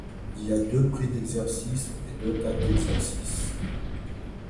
Il y a deux prix d’exercice et deux dates d’exercice.